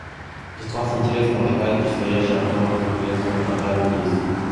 Литва с интересом ожидает предстоящей Обзорной конференции по программе действий.